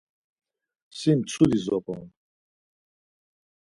Si mtsudi zop̌on.